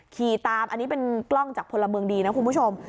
ขี่ตามอันนี้เป็นกล้องจากพลเมืองดีนะคุณผู้ชม